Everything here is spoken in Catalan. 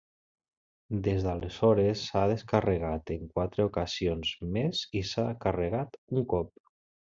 Des d’aleshores s’ha descarregat en quatre ocasions més i s’ha carregat un cop.